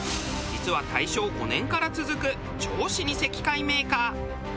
実は大正５年から続く超老舗機械メーカー。